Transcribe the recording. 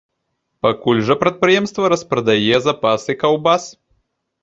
Пакуль жа прадпрыемства распрадае запасы каўбас.